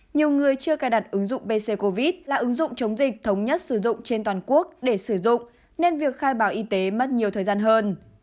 nhiều người chưa cài đặt ứng dụng bc covid là ứng dụng chống dịch thống nhất sử dụng trên toàn quốc để sử dụng nên việc khai báo y tế mất nhiều thời gian hơn